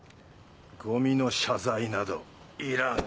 ゴミの謝罪などいらん。